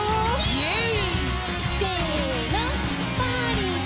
イエイ！